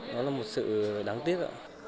nó là một sự đáng tiếc ạ